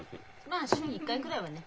まあ週に１回くらいはね。